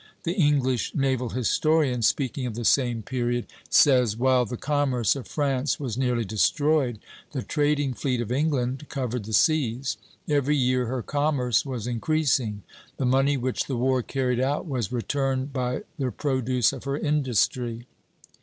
The English naval historian, speaking of the same period, says: "While the commerce of France was nearly destroyed, the trading fleet of England covered the seas. Every year her commerce was increasing; the money which the war carried out was returned by the produce of her industry.